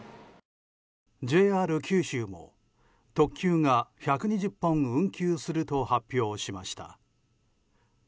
ＪＲ九州も特急が１２０本運休すると発表しました。